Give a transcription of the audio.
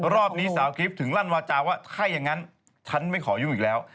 รอบนี้สาวกิฟต์ถึงลั่นวาจาว่าถ้าอย่างนั้นฉันไม่ขอยุ่งอีกแล้ว